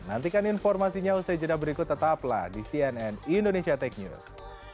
nantikan informasinya usai jeda berikut tetaplah di cnn indonesia tech news